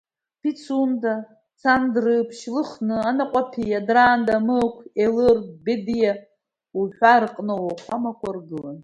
Пицунда, Цандрыԥшь, Лыхны, Анаҟәаԥиа, Дранда, Мықә, Елыр, Бедиа уҳәа рҟны ауахәамақәа ргылан.